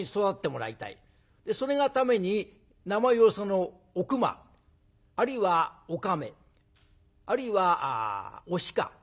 それがために名前をおくまあるいはおかめあるいはおしか。